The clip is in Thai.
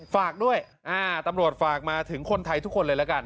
ฝากด้วยตำรวจฝากมาถึงคนไทยทุกคนเลยละกัน